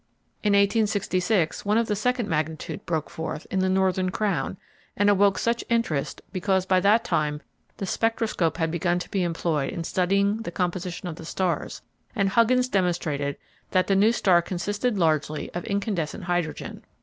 In 1866 one of the second magnitude broke forth in the "Northern Crown" and awoke much interest, because by that time the spectroscope had begun to be employed in studying the composition of the stars, and Huggins demonstrated that the new star consisted largely of incandescent hydrogen.